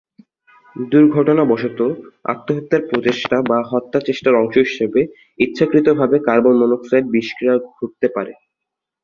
দুর্ঘটনাবশত, আত্মহত্যার প্রচেষ্টা, বা হত্যা চেষ্টার অংশ হিসেবে ইচ্ছাকৃতভাবে কার্বন মনোক্সাইড বিষক্রিয়া ঘটতে পারে।